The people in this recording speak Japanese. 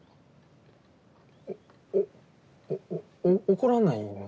おお怒らないの？